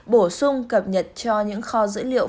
bổ sung cập nhật cho những kho dữ liệu